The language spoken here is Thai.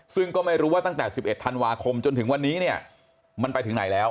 ซึ่งก็ไม่รู้ว่าตั้งแต่๑๑ธันวาคมจนถึงวันนี้เนี่ยมันไปถึงไหนแล้ว